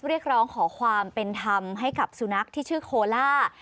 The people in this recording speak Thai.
เรียกร้องขอความเป็นธรรมให้กับสุนัขที่ชื่อโคล่า